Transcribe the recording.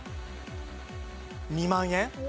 ２万円？